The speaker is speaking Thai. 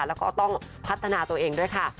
แล้วก็ต้องพัฒนาตัวเองด้วยค่ะ